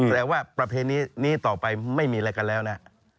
ว่าประเพณีนี้ต่อไปไม่มีอะไรกันแล้วนะ